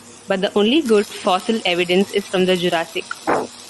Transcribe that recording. But the only good fossil evidence is from the Jurassic.